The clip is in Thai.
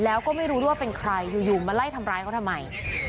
แล้วก็ไม่รู้ด้วยว่าเป็นใครอยู่มาไล่ทำร้ายเขาทำไม